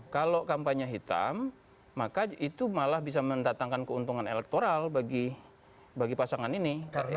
kalau kampanye hitam maka itu malah bisa mendatangkan keuntungan elektoral bagi pasangan ini